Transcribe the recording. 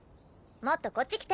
もっとこっち来て。